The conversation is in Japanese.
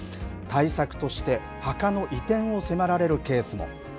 対策として、墓の移転を迫られるケースも。